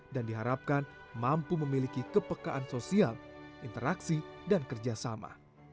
dan diharapkan mampu memiliki kepekaan sosial interaksi dan kerjasama